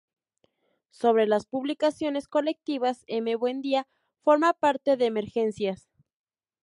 Sobre las publicaciones colectivas, M. Buendía forma parte de "Emergencias.